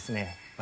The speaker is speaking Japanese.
私